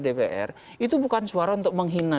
dpr itu bukan suara untuk menghina